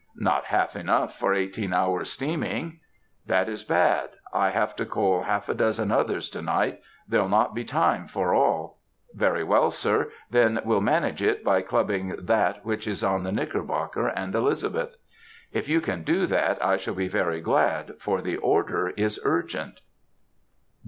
"Not half enough for eighteen hours' steaming!" "That is bad. I have to coal half a dozen others to night; there'll not be time for all." "Very well, sir; then we'll manage it, by clubbing that which is on the Knickerbocker and the Elizabeth." "If you can do that I shall be very glad, for the order is urgent."